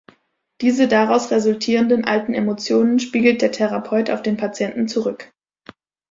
Diese daraus resultierenden alten Emotionen spiegelt der Therapeut auf den Patienten zurück.